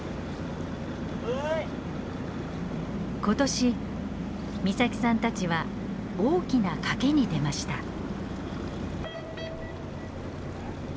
今年岬さんたちは大きな賭けに出ました。